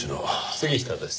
杉下です。